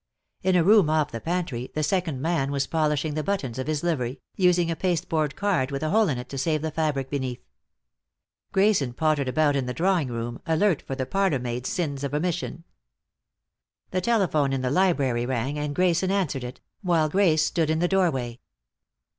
In a room off the pantry the second man was polishing the buttons of his livery, using a pasteboard card with a hole in it to save the fabric beneath. Grayson pottered about in the drawing room, alert for the parlor maid's sins of omission. The telephone in the library rang, and Grayson answered it, while Grace stood in the doorway.